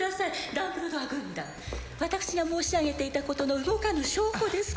ダンブルドア軍団私が申し上げていたことの動かぬ証拠です